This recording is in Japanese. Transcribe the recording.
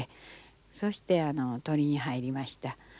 そして取りに入りました。